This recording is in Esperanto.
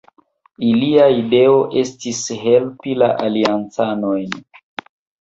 Ilia ideo estis helpi la Aliancanojn.